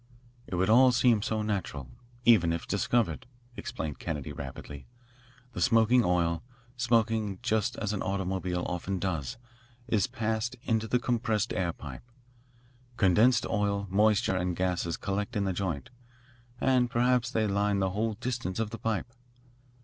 "It would all seem so natural, even if discovered," explained Kennedy rapidly. "The smoking oil smoking just as an automobile often does is passed into the compressed air pipe. Condensed oil, moisture, and gases collect in the joint, and perhaps they line the whole distance of the pipe.